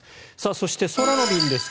そして空の便です。